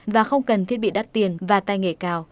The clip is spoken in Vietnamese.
và không cần thiết bị đắt tiền và tay nghề cao